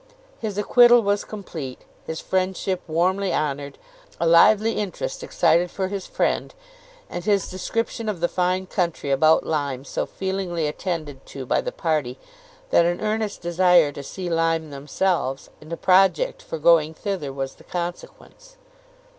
His acquittal was complete, his friendship warmly honoured, a lively interest excited for his friend, and his description of the fine country about Lyme so feelingly attended to by the party, that an earnest desire to see Lyme themselves, and a project for going thither was the consequence.